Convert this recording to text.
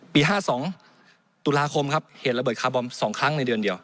๕๒ตุลาคมครับเหตุระเบิดคาร์บอม๒ครั้งในเดือนเดียว